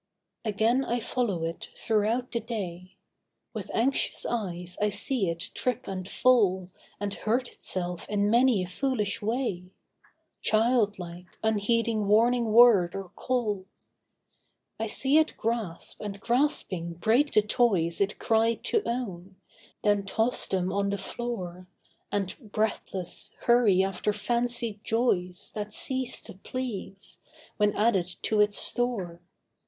Again I follow it, throughout the day. With anxious eyes I see it trip and fall, And hurt itself in many a foolish way: Childlike, unheeding warning word or call. I see it grasp, and grasping, break the toys It cried to own, then toss them on the floor And, breathless, hurry after fancied joys That cease to please, when added to its store.